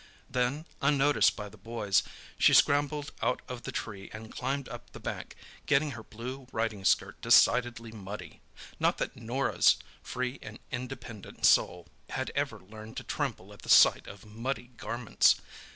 Then, unnoticed by the boys, she scrambled out of the tree and climbed up the bank, getting her blue riding skirt decidedly muddy—not that Norah's free and independent soul had ever learned to tremble at the sight of muddy garments.